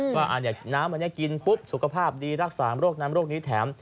ว่าน้ำอันนี้กินปุ๊บสุขภาพดีรักษาโรคนั้นโรคนี้แถม